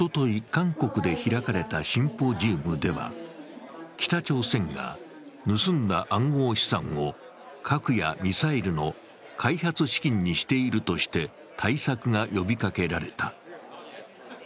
韓国で開かれたシンポジウムでは、北朝鮮が、盗んだ暗号資産を核やミサイルの開発資金にしているとして対策が呼びかけられた。